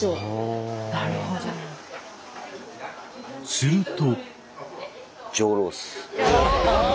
すると。